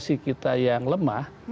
konsep mitigasi kita yang lemah